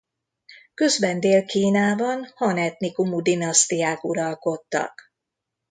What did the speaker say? Közben Dél-Kínában han etnikumú dinasztiák uralkodtak.